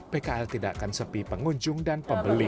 pkl tidak akan sepi pengunjung dan pembeli